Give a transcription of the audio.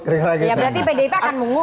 berarti pdip akan mungut